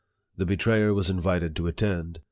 " The betrayer was invited to attend.